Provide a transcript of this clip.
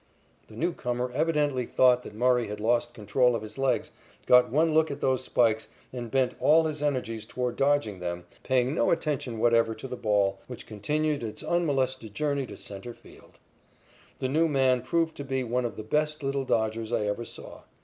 The newcomer evidently thought that Murray had lost control of his legs, got one look at those spikes, and bent all his energies toward dodging them, paying no attention whatever to the ball, which continued its unmolested journey to centre field. The new man proved to be one of the best little dodgers I ever saw.